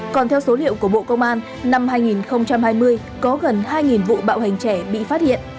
còn theo số liệu của bộ công an năm hai nghìn hai mươi có gần hai vụ bạo hành trẻ bị phát hiện